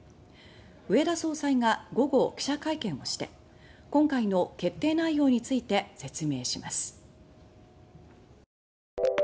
植田総裁が午後記者会見をして今回の決定内容について説明します。